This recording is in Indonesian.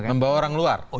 membawa orang luar